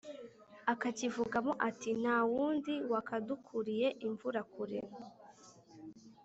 akakivugamo ati:ntawundi wakadukuriye imvura kure,